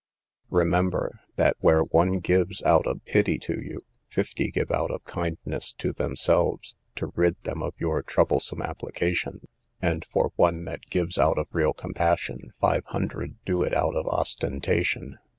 "Remember, that where one gives out of pity to you, fifty give out of kindness to themselves, to rid them of your troublesome application; and for one that gives out of real compassion, five hundred do it out of ostentation.